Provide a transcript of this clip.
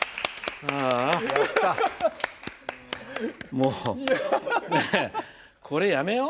もうねえこれやめよう？